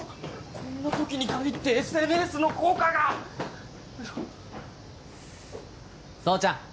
こんなときに限ってＳＮＳの効果が蒼ちゃん